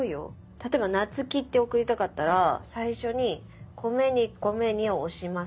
例えば「ナツキ」って送りたかったら最初に「＊２＊２」を押します。